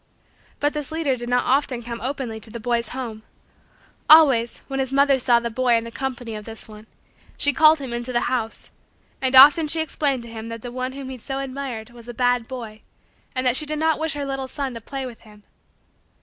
But this leader did not often come openly to the boy's home. Always, when his mother saw the boy in the company of this one, she called him into the house, and often she explained to him that the one whom he so admired was a bad boy and that she did not wish her little son to play with him.